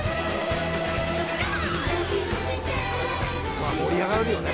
「まあ盛り上がるよね